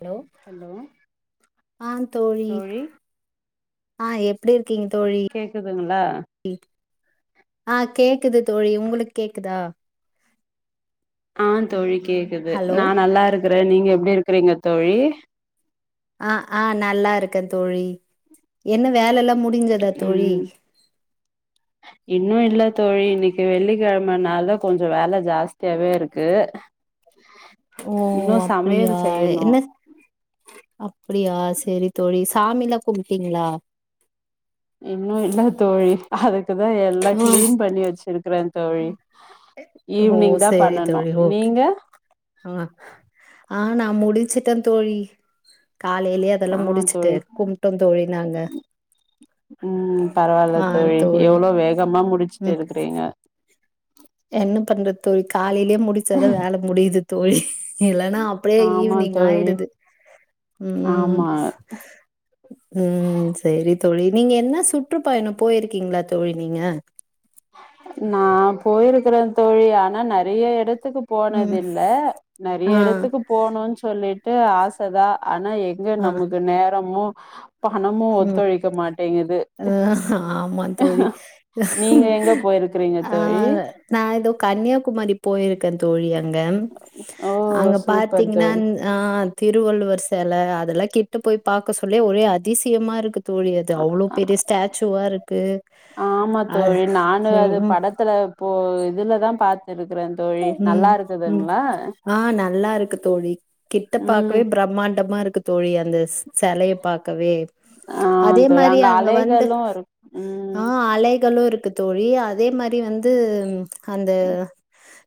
Allow hello ஆ தோழி ஆ எப்டி இருகீங்க தோழி கேகுதுங்களா ஆ கேகுது தோழி உங்ளுகு கேகுதா ஆ தோழி கேகுது ஹலோ நா நல்லா இருக்கிறே நீங்க எப்டி இருகிறீங்க தோழி ஆ ஆ நல்லா இருக்கே தோழி என்ன வேல லா முடி ம் இன்னு இல்ல தோழி இன்னிகி வெள்ளி கெழமனால கொஞ்சோ வேல ஜாஸ்தியாவே இருக்கு ஓ இன்னு சமையல் அப்டியா செய்யணு என்ன அப்டியா சேரி தோழி சாமிலா கும்டிங்களா இன்னு இல்ல தோழி அதுகுதா எல்லா கிளீன் பண்ணி வச்சிருக்றே தோழி ஓ ஈவி்னிங் தா பன்னனு நீங்க அ ஆ நா முடிச்சுடே தோழி காலையிலயே அதெல்லா ஆ முடிச்சிட்டு தோழி கும்டொம் தோழி நாங்க ம் பரவால்ல தோழி எவ்ளோ வேகமா முடிச்சிட்டு இருகிறீங்க என்ன பண்றது தோழி காலையிலயே முடிச்சாதா வேல முடியுது தோழி இல்லன்னா அப்டியே ஆமா ஈவி்னிங் தோழி ஆயிடுது ம் ஆமா ம் சேரி தோழி நீங்க என்ன சுற்றுபயணம் போயிருகீங்ளா தோழி நீங்க நா போயிருகிற தோழி ஆனா நெறைய எடதுக்கு போனது ம். இல்ல நெறைய ஆ இடதுக்கு போணும்னு சொல்லிடு ஆசதா ஆனா எங்க ஆ நமக்கு நேரமு பணமு ம். ஒத்துழைக மாட்டீங்குது அ ஆமா தோழி. நீங்க எங் ஆ நா ஏதோ கன்னியாகுமரி போயிருக் க தோழி அங்க ஓ அங்க சூப்பர் பாத்தீங்ன்னா தோழி ஆ திருவள்ளுவர் செல அதெல்லா கிட்ட போய் பாக்க சொல்லி ஒரே அதிசியமா இருகு தோழி அது அவ்ளோ பெரிய ஸ்டாச்சுவா இருக்கு ஆமா அது தோழி நானு ம் அது ம் படத்துல இப்போ இதுலதா பாத்துருகிறே தோழி ம் நல்லா ம் இருக்குதுங்ளா ஆ நல்லா இருக்கு தோழி கிட்ட ம் பாக்கவே பிரம்மாண்டமா இருக்கு தோழி அந்த ஸ் செலைய பாக்கவே ஆ அதே தோழி மாரி அங்க வந்து அலைகளு இரு ம் ஆ அலைகளு இருக்கு தோழி அதே மாரி வந்து அந்த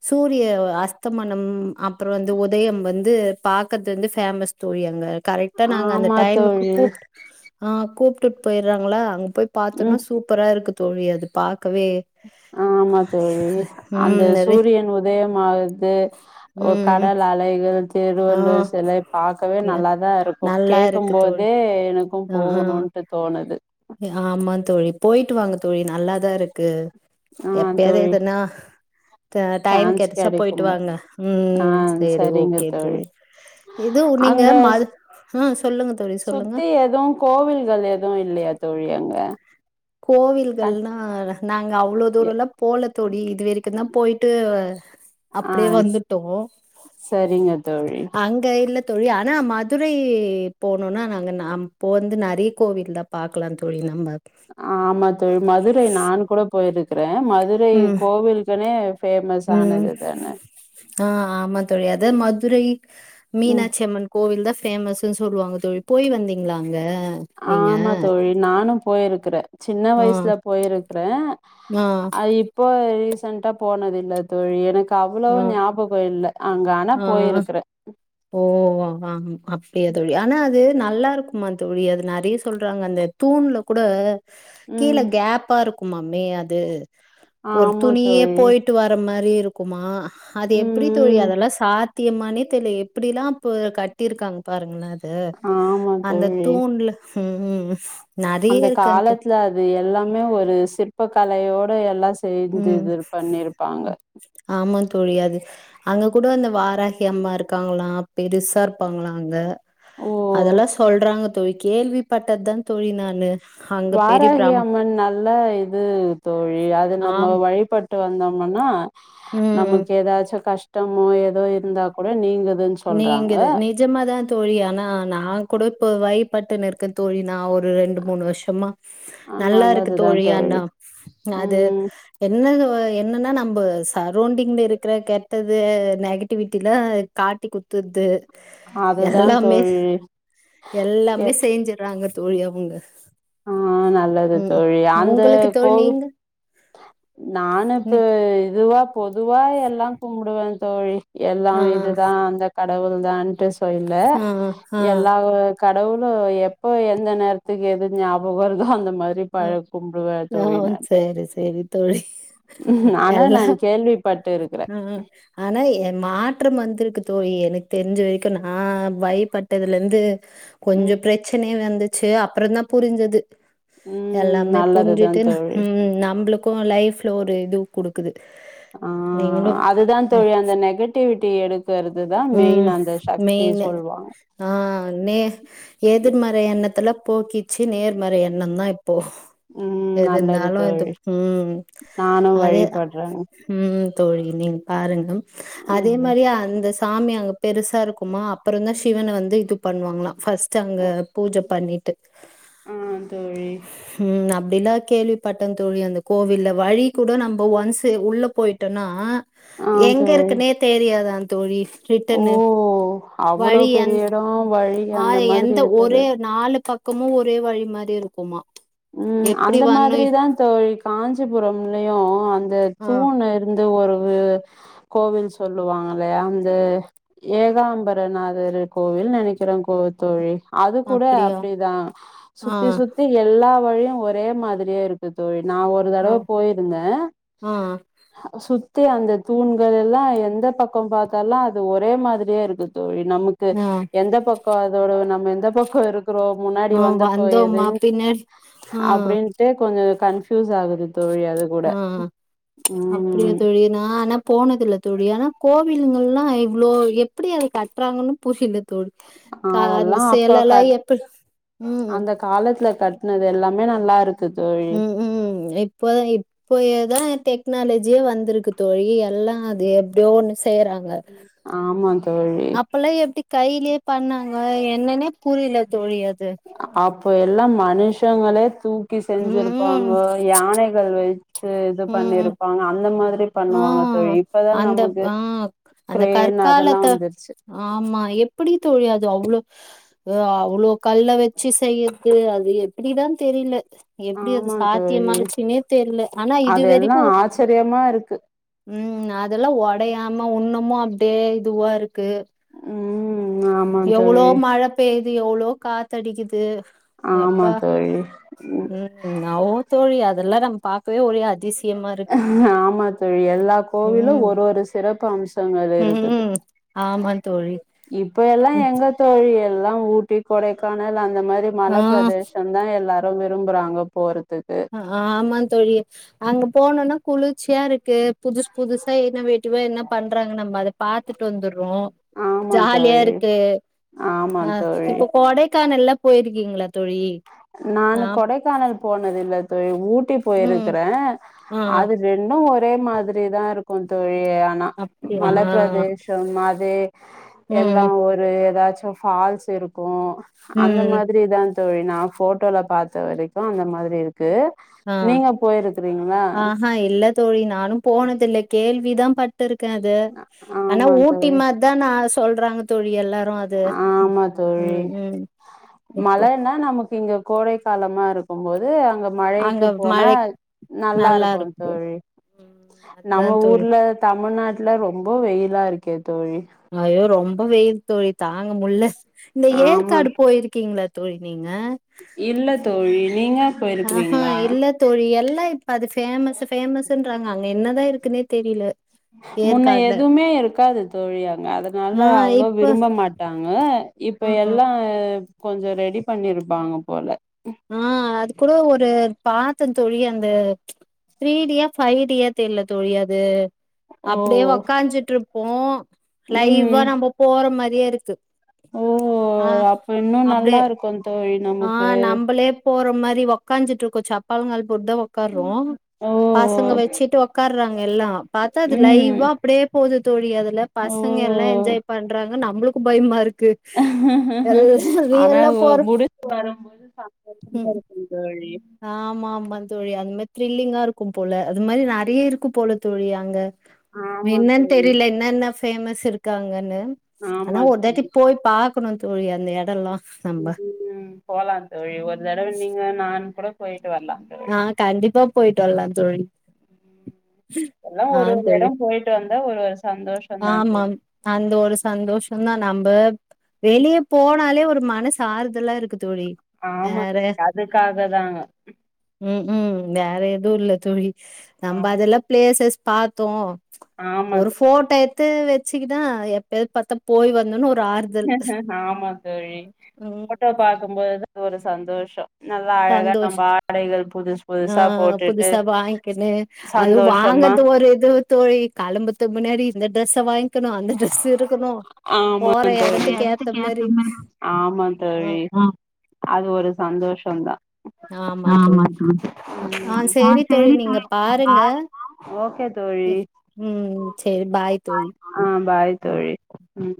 சூரிய அஸ்தமனம் அப்ரோ வந்து உதயம் வந்து பாகத்து வந்து பேமஸ் தோழி அங்க கரெக்டா நாங்க அந்த ஆமா டைமுக்கு தோழி கூப் அ கூப்டுட்டு போயிறாங்களா அங்க போய் ம் பாத்தோன்னா சூப்பரா இருக்கு தோழி அது பாக்கவே ஆமா தோழி அந்த ம் நெறை சூரியன் உதயம் ஆகர்து ஒ ம் ம் கடல் அலைகள் ஆ திருவள்ளூர் சிலை பாக்கவே யா நல்லாதா இருகும் நல்லா இருக்கு தோழி கேக்கும்போதே ஏ எனக்கும் ஆ ஆ போகணுன்டு தோணுது ஆமா தோழி போயிட்டு வாங்க தோழி நல்லாதா இருக்கு ஆ எப்பயாது தோழி எதுனா த டைம் சான்ஸ் கெடைச்சா போயிட்டு கெடைக்கும்போ வாங்க ஆ ம் சேரி சரிங்க ஓகே தோழி இது நீங்க அங்க மல் உ சொல்லுங்க தோழி சொல்லுங்க சுத்தி எதுவு கோவில்கள் எதுவு இல்லையா தோழி அங்க கண் கோவில்கள்னா நாங்க அவ்ளோ எ தூரோல்லா போல தோழி இதுவரைக்கு தா போய்ட்டு ஆ அப்டியே வந்துட்டோ சரிங்க தோழி [inaudible] அங்க இல்ல தோழி ஆனா மதுரை போனுனா நாங்க அப்போ வந்து நெறைய கோவில் தா பாக்கலா தோழி நம்ம ஆமா தோழி மதுரை நான் கூட போயிருக் க்றே மதுரை ம் கோவிலுக்குனே ஃபேமஸ் ம் ஆனதுதானே ஆ ஆமா தோழி அதா மதுரை ம் மீனாட்சி அம்மன் கோவில் தா ஃபேமஷ்னு சொல்லுவாங்க தோழி போய் வந்தீங்களா அங்க நீங்க ஆமா தோழி நானு போயிருக்றே சின்ன ஆ வயசுல போயிருக்றே ஆ அ இப்போ ரீசென்டா போனதில்ல தோழி எனக்கு அவ்ளோ ஆ ஞாபகோ இல்ல அங்க ஆனா ஆ போயிருக்றே ஓ ஆ அப்டியா தோழி ஆனா அது நல்லாருக்குமா தோழி அது நறைய சொல்றாங்க அந்த தூண்ல கூட கீழ ம் கேப்பா இருக்கு மாமே அது ஒரு ஆமா துணியே தோழி போயிட்டு வர மாரி இருக்குமா அது ம் எப்டி தோழி ம் அதெல்லா சாத்தியமானே தெரில எப்டிலா இப்ப கட்டியிருக்காங்க பாருங்களே அ ஆமா அந்த தோழி தூண்ல ம் ம் நறைய அந்த இருக்கு அந் தூண் காலத்துல அது எல்லாமே ஒரு சிற்ப கலையோட எல்லா சேந்து ம் இது பண்ணிருப்பாங்க ஆமா தோழி அது அங்க கூட அந்த வாராகி அம்மா இருக்காங்களா பெருசா இருப்பாங்களா அங்க ஓ அதெல்லா சொல்றாங்க தோழி கேள்வி பட்டது தா தோழி நானு அங்க பெரிய வாராகி பிரம் அம்மன் நல்ல இது தோழி அது நம்ம ஆம் வழிபட்டு வந்தோமனா ம் ம் நமக்கு ஏதாச்சு கஷ்டமோ எதோ இருந்தா கூட நீங்குது நீங்குது நீங் நிஜமாக தா தோழி ஆனா நா கூட இப்போ வைபட்டுனு இருக்கே தோழி நா ஒரு ரெண்டு மூணு வருஷமா நல்லா இருக்கு தோழி அன்னா அது ம் என்னது என்னனா நம்ப சரோன்டிங்ள இருக்ர கேட் ட்டுது நெகட்டிவிட்டில காட்டிகுட்த்துது அதுதா எல்லாமே தோழி எல்லாமே செய்ஞ்சறாங்க தோழி அவங்க ஆ நல்லது ம் தோழி அந்த உங்களுக்கு தோழி கோவி நீங்க நானு இப்ப நீ இதுவா பொதுவா எல்லா கும்பிடுவே தோழி எல்லா ஆ இதுதா அந்த கடவுள் தான்ட்டு ஸ் ப்போ இல்ல ஆ ஆ எல்லா கடவுளு எப்போ எந்த நேரத்துக்கு எது ஞாபகோ வர்தோ அந்த மாரி ஆ பழ கும்பிடுவே நா தோழி வந் சரி சரி தோழி ஆனா எல்லா நான் கேள்விப்பட்டு இருக்கிறே அ அ ஆனா எ மாற்றம் வந்திருக்கு தோழி எனக்கு தெரிஞ்சு வரைக்கு நா வழிப்பட்டதுல இருந்து கொஞ்சோ ம் பிரச்சனைய வந்துச்சு அப்ரோ தா புரிஞ்சுது ம் எல்லாமே நல்லதுதா புரிஞ்சுட்டு தோழி ம் நம்மளுக்கு லைஃப்ல ஒரு இது குடுக்குது ஆ நீங்களு டிவிட்டி எடு கருதுதா ம் மெயின்னு ஆ நே ஏதிர் மர் ர எண்ணத்துல போக்கிச்சு நேர்மறை எண்ண தா இப்போ ம் எது நல்லது இருந்தாலு அது தோழி ம் நானு அதே தா வழிபடுறேங்க ம் தோழி நீங்க பாருங்க ம் அதே மாரிய அந்த ஸ் சாமி அங்க பெருசா இருக்குமா அப்புறம் தான் சிவன வந்து இது பண்ணுவாங்களாம் ஃபர்ஸ்ட் ஃபர்ஸ்ட்டு அங்க ம் பூஜை பண்ணிட்டு ஆ தோழி உம் அப்படிலாம் கேள்விப்பட்டேன் தோழி அந்த கோவில்ல வழி கூட நம்ம ஒன்ஸ்ஸு உள்ள போயிட்டோன்னா ஆ எங்க தோழி இருக்குனே தெரியாதான் தோழி ஓ ரிட்டன்னு வழி அங்க ஆமா தோழி ஆஹ் எந்த ஒரே நாலு பக்கமும் ஒரே வழி மாதிரி இருக்குமா உம் எப்டி அந்த வர்ணு மாதிரிதான் தோழி காஞ்சிபுரம்லையும் அந்த ஆ தூணு வந்து ஒரு கோவில் சொல்லுவாங்கல்லையா அந்த ஏகாம்பரநாதர் கோவில் நினைக்கிறேன் கோ தோழி அது கூட அப்டியா அப்படிதான் ஆ சுத்தி சுத்தி எல்லா வழியும் ஒரே மாதிரியே இருக்கு தோழி நான் ஒரு ஆ தடவ போயிருந்தேன் ஆ சுத்தி அந்த தூண்கள் எல்லாம் எந்த பக்கம் பாத்தாலும் அது ஒரே மாதிரியே இருக்கு தோழி நமக்கு இது ஆ நமக்கு எந்த பக்கம் அதோட நம்ம எந்த பக்கம் இருக்கிறோம் முன்னாடி ஆ வந்த போயி வந்தோமா பின்னாடி ஆ அப்படின்ட்டு கொஞ்சம் கன்பியூஸ் ஆகுது தோழி அது கூட உஹம் நான் ஆனா போனது இல்ல தோழி ஆனா கோவில்ங்களா இவ்வளோ எப்டி அத கட்டுறாங்கன்னு புரியல தோழி அதெல்லா அ அப்ப சீலைலாம் கட் எப்படி உம் அந்த காலத்துல கட்டுனது எல்லாமே நல்லா இருக்கு தோழி உம் இப்போ இப்ப ‌இதுதான் டெக்னாலஜியே வந்திருக்கு தோழி எல்லா அது எப்படியோ வந்துச்சு செய்றாங்க ஆமா தோழி அப்பல்லாம் எப்டி கையிலயே பண்ணாங்களா என்னன்னே புரியல தோழி அது அப்ப எல்லாம் மனுஷங்களே தூக்கி ம் செஞ்சிருப்பாங்க யானைகள் இது ம் பண்ணிருப்பாங்க அந்த மாதிரி ஆ பண்ணுவாங்க ஆமா தோழி இப்பதான் அந்த நமக்கு ஆ அந்த கிரேன் கற்காலத்த அதெல்லாம் வந்துருச்சு ஆமா எப்படி தோழி அது அவ்ளோ அவ்ளோ கல்ல வச்சு செய்யறது அது எப்படிதான் தெரியல எப்படி அது ஆமா தோழி சாத்தியமாச்சுன்னே தெரியல ஆனா இது வரைக்கும் தெரியமா இருக்கு உம் அதெல்லாம் உடையாம இன்னமும் அப்படியே இதுவா இருக்கு. உஹம் எவ்வளோ மழை பெய்யுது எவ்வளோ காத்தடிக்குது ஆமா தோழி உம் ஆமா தோழி அதெல்லாம் நம்ம பாக்கவே ஒரே அதிசயமா இருக்கு ஆமா தோழி எல்லா கோவிலும் ம் ஒரு ஒரு சிறப்பு அம்சங்கள் இருக்குது ம் ஆமா தோழி இப்ப எல்லாம் எங்க தோழி எல்லாம் ஊட்டி, கொடைக்கானல் அந்த மாதிரி ஆ மலைப்பிரதேசம் எல்லாரும் விரும்புறாங்க போறதுக்கு ஆமா தோழி அங்க போனும்னா குளிர்ச்சியா இருக்கு புது புதுசா இன்னொவேட்டிவ்வா என்ன பண்றாங்க நம்ம அத பாத்துட்டு வந்துடுறோம் ஆமா ஜாலியா தோழி இருக்கு. ஆமா ஆஹ் தோழி இப்போ கொடைக்கானல்லாம் போயிருக்கீங்களா தோழி நானு நா கொடைக்கானல் போனது இல்ல தோழி ஊட்டி ம் போயிருக்கறேன் ஆ அது ரெண்டும் ஒரே மாதிரி தான் இருக்கும் தோழி ஆனா அப்டியா மலைப்பிரதேஷம் மாதிரி ம் எல்லாம் ஒரு ஏதாச்சும் ஃபால்ஸ் இருக்கும் அந்த ம் மாதிரி தா தோழி நா போட்டோல பார்த்த வரைக்கு அந்த மாதிரி இருக் கு நீங்க போயிருக்குறீங்ளா ஆஹா ஆ இல்ல தோழி நானும் போனது இல்ல கேள்விதா பட்டிருக்கே அது ஆனா ஆமா ஊட்டி தோழி மா தா நா சொல்றாங்க தோழி எல்லாரு அது ஆமா ம் ம் இப்போ தா நமக்கு இங்க கோடை காலமாருக்கும் போது அங்க அங்க மலைக்கு போனா மழை நல்லா நல்லாருக்கு இருக்கும் தோழி ம் நம்ம அதான் தோழி ஊர்ல தமிழ்நாட்ல ரொம்ப வெயிலா இருக்கே தோழி ஐயோ ரொம்ப வெயில் தோழி தாங்க முள்ள இந்த ஆமா ஏற்காடு போயிருக் கீங்ளா தோழி நீங்க இல்ல தோழி நீங்க ஆஹா போயிருக்கிறீங்களா இல்ல தோழி எல்லா இப்ப அது பேமஸ் ஃபேமஸ்ன்றாங்க அங்க என்னதா இருக்குன்னே தெரில முன்ன எதுமே இருக்காது தோழி அங்க ஆ அதனால அவ்ளோ இப்ப விரும்ப மாட் டாங்க இப்ப ம் எல்லா கொஞ்சோ ரெடி பண்ணிருப்பாங்க போல ஆ அது கூட ஒரு பாத்தே தோழி அந்த த்ரீ டியா ஃபைவ் டியா தெர்ல தோழி அது ஓ அப்டியே உக்காஞ்சிட்ருப்போ லைவா ம் நம்ம போற மாரியே இருக்கு ஓ ஆ அப்ப இன்னு அப்டியே நல்லாருக்கு தோழி ஆ நமக்கு நம்பளே போற மாரி உக்காஞ்சிட்ருக்கோ சப்பளங்கால் போட் தா உக்கார்ரோ ஓ பசங்க வச்சுட்டு உக்காறாங்க எல்லா பாத்தா அது ம் லைவா அப்டியே போது தோழி அதுல ஓ பசங்க எல்லா என்ஜாய் பண்றாங்க நம்ளுக்கு பயமா இருக்கு எல்லா ஆனா ரியல்லா ஒ போற முடிஞ் வரும்போது சந்தோசமா இருக்கும் தோழி ஆமாமாந்தோழி அந்த மாரி த்ரில்லிங்கா இருக்கும் போல அது மாரி நெறைய இருக்கு போல தோழி அங்க ஆமா என்னன் தோழி தெரில என்ன என்ன பேமஸ் இருக்கு அங்கன்னு ஆனா ஆமா தோழி ஒருதாட்டி போய் பா கணு தோழி அந்த எடல்லா நம்ப [unintelligible] போலாந்தோழி ஒரு தடவ நீங்க நானு கூட போயிட்டு வரலா ஆ தோழி கண்டிப்பா போய்ட்டு வல்லா தோழி ஆ தோழி டு வந்தா ஒரு வருஷோ ஆமாம் அந்த ஒரு சந்தோஷம்தா நம்ப வெளிய போனாலே ஒரு மனசு ஆறுதலா இருக்கு தோழி ஆமா அதுக்காக தாங்க ம்ம் வேற எதுவு இல்ல தோழி நம்ப ஆ அதெல்லா பிளேசஸ் பாத்தோ ஆமா ஒரு தோ ஃபோட்டோ எத்து வச்சுகினா எப்பயாது பாத்தா போய் வந்தோன்னு ஒரு ஆறுதல் ஆமா தோழி ம் போட்டோ பாக்கும்போது ஒரு சந்தோஷோ நல்லா அழகா சந்தோஷ நம்ம ஆடைகள் புதுசு ஆ புதுசா போட்டுட்டு புதுசா வாங்கிக்கினு அதுவு சந்தோஷமா வாங்கறது ஒரு இது தோழி கெளம்பத்து முன்னாடி இந்த டிரெஸ்ஸ வாங்க்கணு அந்த டிரெஸ்ஸு இருக்கணு ஆமா போற தோழி எடத்துக்கு ஏத்த மாரி ஆமா தோழி ம் அது ஒரு சந்தோஷோ தா ஆமா தோழி ஆ சேரி தோழி நீங்க பாருங்க ஓகே தோழி எஃப் ம் சேரி பாய் தோழி ஆ பாய் ம் தோழி ம்